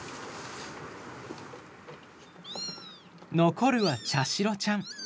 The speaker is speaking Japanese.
残るは茶白ちゃん。